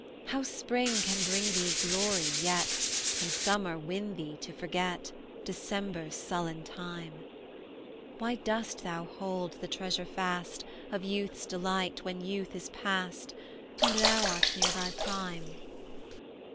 How spring can bring thee glory, yet, And summer win thee to forget December's sullen time! Why dost thou hold the treasure fast, Of youth's delight, when youth is past, And thou art near thy prime?